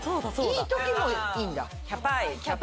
いい時もいいんだ。